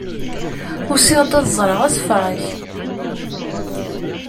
Usiɣ-d ad ẓreɣ asefrak.